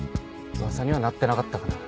噂にはなってなかったかな。